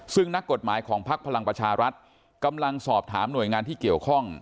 ซึ่งนักกฎหมายของภักดิ์พลังประชารัฐกำลังสอบถามหน่วยงานที่เกี่ยวข้อง